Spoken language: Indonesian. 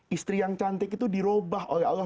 istri yang cantik itu dirubah oleh allah